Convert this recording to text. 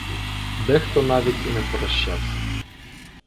Дехто навіть і не прощався.